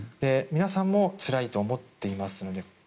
皆さんもつらいと思っています。